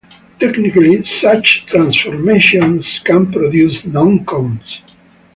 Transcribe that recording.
Technically, such transformations can produce non-cones.